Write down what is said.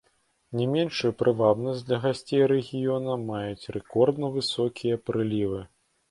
Не меншую прывабнасць для гасцей рэгіёна маюць рэкордна высокія прылівы.